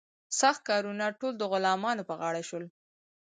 سخت کارونه ټول د غلامانو په غاړه شول.